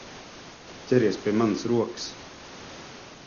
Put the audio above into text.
Ķeries pie manas rokas!